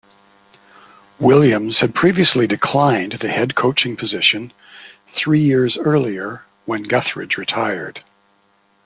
Williams had previously declined the head coaching position three years earlier when Guthridge retired.